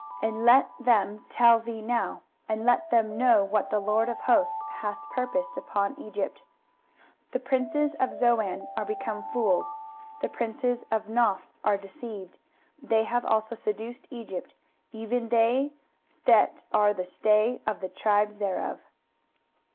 and let them tell thee now, and let them know what the LORD of hosts hath purposed upon Egypt. 23:019:013 The princes of Zoan are become fools, the princes of Noph are deceived; they have also seduced Egypt, even they that are the stay of the tribes thereof.